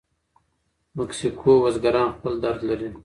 مکسیکو بزګران خپل درد لري.